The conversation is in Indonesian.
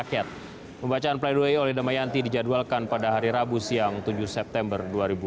pembacaan play doh oleh damayanti dijadwalkan pada hari rabu siang tujuh september dua ribu dua puluh